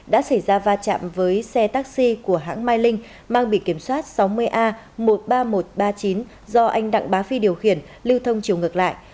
đã xảy ra va chạm với xe taxi của hãng mai linh mang bị kiểm soát sáu mươi a một mươi ba nghìn một trăm ba mươi chín do anh đặng bá phi điều khiển lưu thông chiều ngược lại